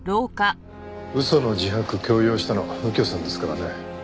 嘘の自白強要したの右京さんですからね。